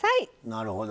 なるほど。